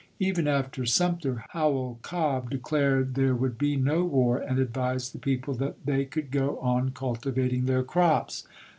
Even after i'.,p.449. ' Sumter, Howell Cobb declared there would be no war and advised the people that "they could go SiJJn? on cultivating their crops."